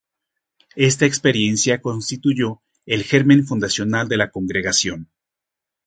Esta experiencia constituyó el germen fundacional de la Congregación.